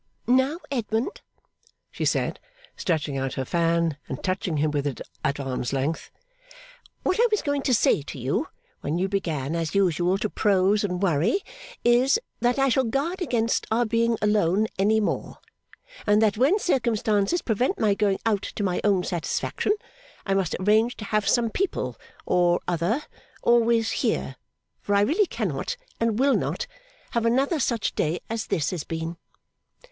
'Now, Edmund,' she said, stretching out her fan, and touching him with it at arm's length, 'what I was going to say to you when you began as usual to prose and worry, is, that I shall guard against our being alone any more, and that when circumstances prevent my going out to my own satisfaction, I must arrange to have some people or other always here; for I really cannot, and will not, have another such day as this has been.